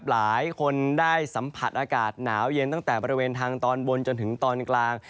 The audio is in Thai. หลายคนได้สัมผัสอากาศหนาวเย็นตั้งแต่บริเวณทางตอนบนจนถึงตอนกลาง